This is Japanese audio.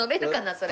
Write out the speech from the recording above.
それ。